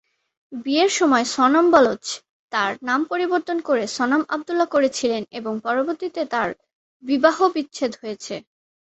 বিয়ের পর সনম বালুচ তার নাম পরিবর্তন করে সনম আবদুল্লাহ করেছিলেন এবং পরবর্তীতে তাদের বিবাহ বিচ্ছেদ হয়েছে।